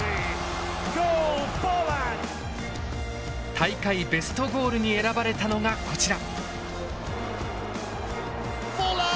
大会ベストゴールに選ばれたのがこちら。